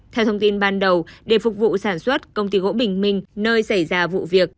theo thông tin ban đầu để phục vụ sản xuất công ty gỗ bình minh nơi xảy ra vụ việc